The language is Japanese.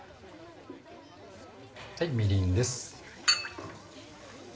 みりんです。